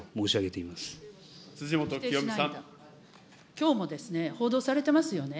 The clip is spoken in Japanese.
きょうも報道されていますよね。